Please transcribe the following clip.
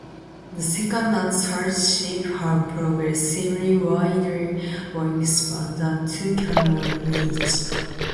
The second and third ships have progressively wider wingspans and two cannons each.